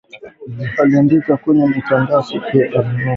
Aliandika kwenye mtandao siku ya Alhamisi.